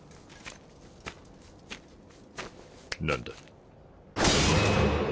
何だ？